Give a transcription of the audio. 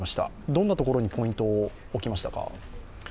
どんなところにポイントを置きましたか。